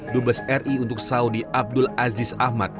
dubes ri untuk saudi abdul aziz ahmad